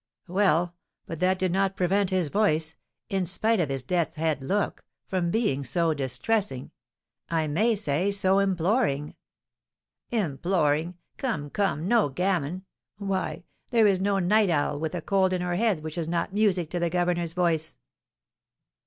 "Well, but that did not prevent his voice in spite of his death's head look from being so distressing, I may say so imploring " "Imploring! Come, come, no gammon! Why, there is no night owl with a cold in her head which is not music to the governor's voice."